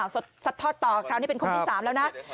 สัดทอดต่อคราวนี้เป็นคนที่๓แล้วนะ